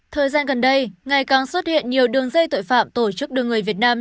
thời gian gần đây ngày càng xuất hiện nhiều đường dây tội phạm tổ chức đưa người việt nam